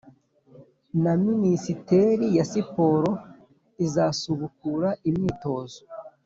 na Minisiteri ya Siporo, izasubukura imyitozo